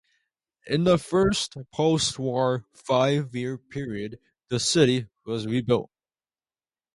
In the first postwar five-year period the city was rebuilt.